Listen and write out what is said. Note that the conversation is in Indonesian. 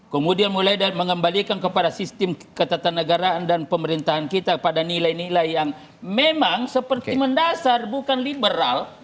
kemudian mulai dari mengembalikan kepada sistem ketatanegaraan dan pemerintahan kita pada nilai nilai yang memang seperti mendasar bukan liberal